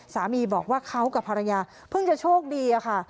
สามีบอกว่าเขากับภรรยาเพิ่งจะโชคดีอะค่ะ